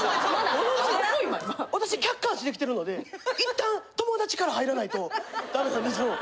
私客観視できてるので一旦友達から入らないとダメなんですよ！